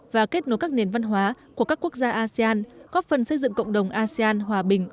và kết nối các nền văn hóa của các quốc gia asean góp phần xây dựng cộng đồng asean hòa bình